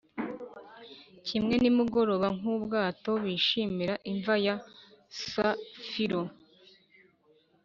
kimwe nimugoroba nk'ubwato bishimira imva ya safiro ”